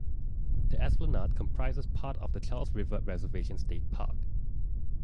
The Esplanade comprises part of the Charles River Reservation state park.